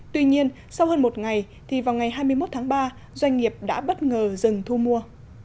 tuy nhiên sau hơn một ngày thì vào ngày hai mươi một tháng ba doanh nghiệp đã bất ngờ dừng thu mua